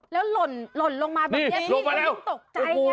แล้วหล่นลงมาแบบนี้หลงมาแล้ว